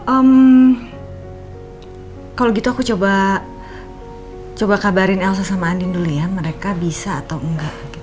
om kalau gitu aku coba kabarin elsa sama andin dulu ya mereka bisa atau enggak